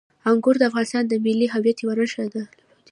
انګور د افغانستان د ملي هویت یوه نښه ده.